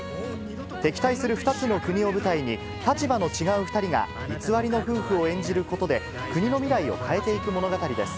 敵対する２つの国を舞台に、立場の違う２人が偽りの夫婦を演じることで国の未来を変えていく物語です。